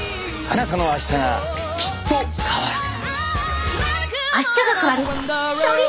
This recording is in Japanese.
あなたのあしたがきっと変わる。